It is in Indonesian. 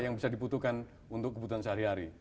yang bisa dibutuhkan untuk kebutuhan sehari hari